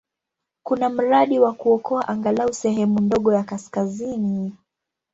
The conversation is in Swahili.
Kuna mradi wa kuokoa angalau sehemu ndogo ya kaskazini.